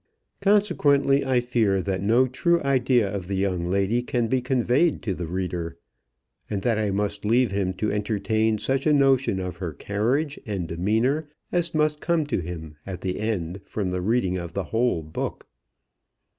Consequently I fear that no true idea of the young lady can be conveyed to the reader; and that I must leave him to entertain such a notion of her carriage and demeanour as must come to him at the end from the reading of the whole book.